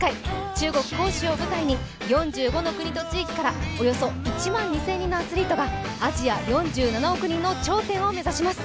中国・杭州を舞台におよそ１万２０００人のアスリートがアジア４７億人の頂点を目指します。